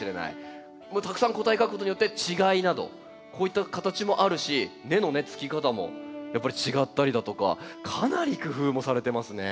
たくさん個体描くことによって違いなどこういった形もあるし根のつき方もやっぱり違ったりだとかかなり工夫もされてますね。